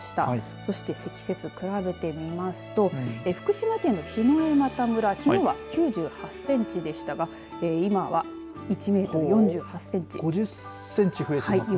そして積雪、比べてみますと福島県の檜枝岐村きのうは９８センチでしたが今は１メートル４８センチ。